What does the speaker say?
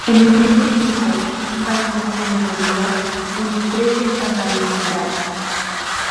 En el primer piso un balcón con herrerías une tres ventanales centrales.